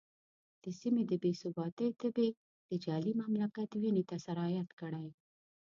د سیمې د بې ثباتۍ تبې د جعلي مملکت وینې ته سرایت کړی.